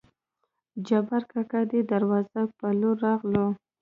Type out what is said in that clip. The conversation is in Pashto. جبارکاکا دې دروازې په لور راغلو.